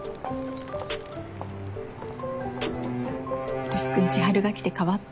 来栖君千晴が来て変わった。